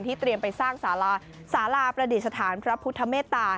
เตรียมไปสร้างสาราสาราประดิษฐานพระพุทธเมตตา